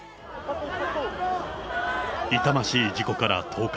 痛ましい事故から１０日。